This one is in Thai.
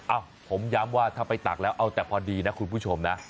ผมย้ำว่าถ้าไปตักแล้วเอาแต่พอดีนะคุณผู้ชมนะ